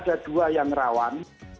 ada dua yang rawan